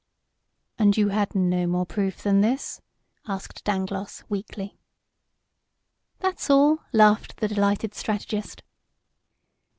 "And you had no more proof than this?" asked Dangloss, weakly. "That's all," laughed the delighted strategist.